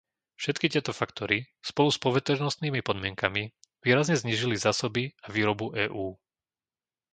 Všetky tieto faktory spolu s poveternostnými podmienkami výrazne znížili zásoby a výrobu EÚ.